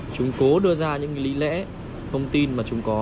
chúng cố đưa ra những lý lẽ thông tin mà chúng có